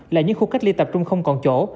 là những khu cách ly tập trung không còn chỗ